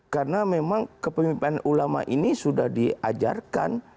karena memang kepemimpinan ulama ini sudah diajarkan